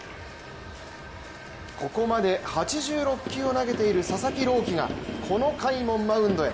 ここまで８６球を投げている佐々木朗希がこの回もマウンドへ。